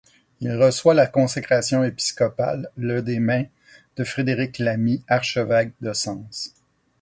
Il reçoit la consécration épiscopale le des mains de Frédéric Lamy, archevêque de Sens.